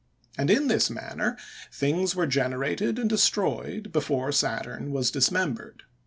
And in this manner things were generated and destroyed, before Saturn was dismembered.